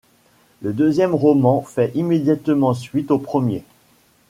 Le deuxième roman fait immédiatement suite au premier.